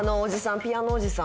ピアノおじさん